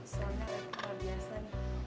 soalnya reva kemarin biasa nih